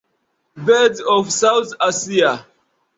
Birds of South Asia.